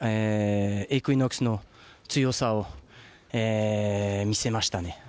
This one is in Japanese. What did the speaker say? イクイノックスの強さを見せましたね。